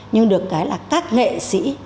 nhưng được cái là các nghệ sĩ